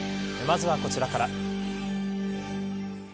まずはこちらから。